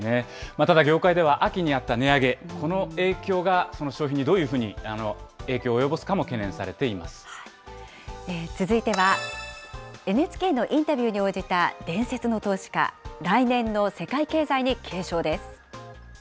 ただ業界では、秋にあった値上げ、この影響がこの消費にどのように影響を及ぼすかも懸念されていま続いては、ＮＨＫのインタビューに応じた伝説の投資家、来年の世界経済に警鐘です。